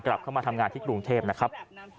กลับเข้ามาทำงานที่กรุงเทพนะครับ